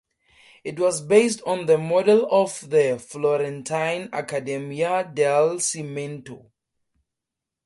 It was based on the model of the Florentine Accademia del Cimento.